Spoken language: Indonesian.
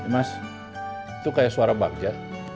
mas itu kayak suara bagja